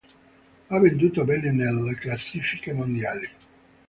Ha venduto bene nelle classifiche mondiali.